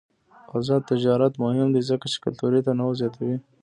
آزاد تجارت مهم دی ځکه چې کلتوري تنوع زیاتوي.